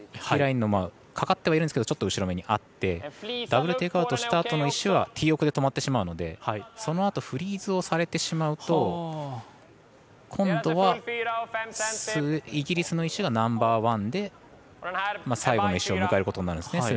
ティーラインのかかってはいるんですけどちょっと後ろにあってダブル・テイクアウトしたあとの石はティー奥で止まってしまうのでフリーズをされてしまうと今度は、イギリスの石がナンバーワンで最後の石を迎えることになるんですね。